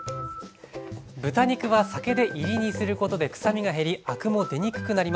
豚肉は酒でいり煮することでくさみが減りアクも出にくくなります。